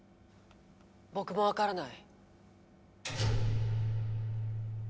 僕もわからない。